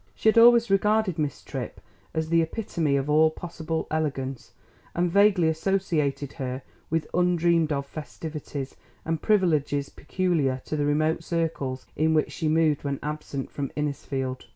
She had always regarded Miss Tripp as the epitome of all possible elegance, and vaguely associated her with undreamed of festivities and privileges peculiar to the remote circles in which she moved when absent from Innisfield.